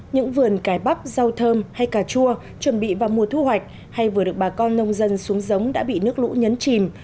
những vườn cái bắp rau thơm hay cà chua chuẩn bị vào mùa thu hoạch hay vừa được bà con nông dân xuống giống đã bị nước lũ nhấn chìm